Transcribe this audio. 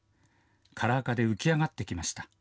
カラー化で浮き上がってきました。